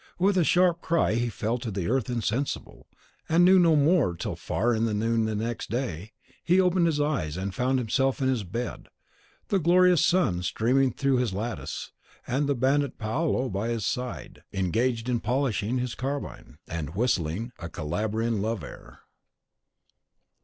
With a sharp cry he fell to the earth insensible, and knew no more till, far in the noon of the next day, he opened his eyes and found himself in his bed, the glorious sun streaming through his lattice, and the bandit Paolo by his side, engaged in polishing his carbine, and whistling a Calabrian love air.